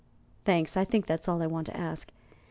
"Thanks. I think that's all I want to ask.